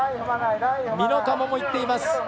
美濃加茂もいっています。